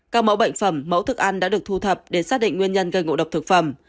các mẫu bệnh phẩm mẫu thức ăn đã được thu thập để xác định nguyên nhân gây ngộ độc thực phẩm